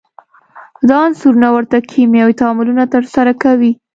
دا عنصرونه ورته کیمیاوي تعاملونه ترسره کوي.